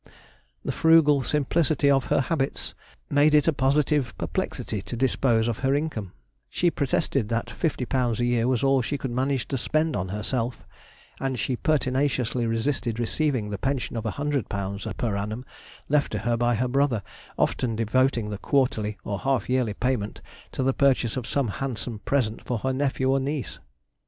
The frugal simplicity of her habits made it a positive perplexity to dispose of her income; she protested that £50 a year was all she could manage to spend on herself, and she pertinaciously resisted receiving the pension of £100 per annum left to her by her brother, often devoting the quarterly or half yearly payment to the purchase of some handsome present for her nephew or niece.